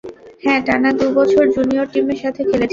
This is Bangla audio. হ্যাঁ টানা দুবছর জুনিয়র টিমের সাথে খেলেছি।